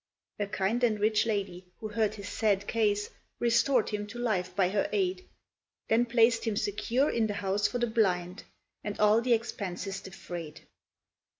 "A kind and rich lady, who heard his sad case, Restor'd him to life by her aid, Then plac'd him secure in the house for the blind, And all the expences defray'd.